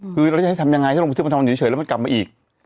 คือเราจะให้ทำยังไงถ้าลงไปซื้อประทอมเฉยแล้วมันกลับมาอีก